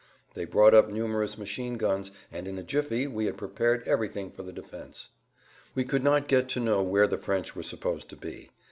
They brought up numerous machine guns and in a jiffy we had prepared everything for the defense. We could not get to know where the French were supposed to be.